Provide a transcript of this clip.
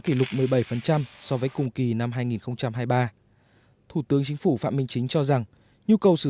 kỷ lục một mươi bảy so với cùng kỳ năm hai nghìn hai mươi ba thủ tướng chính phủ phạm minh chính cho rằng nhu cầu sử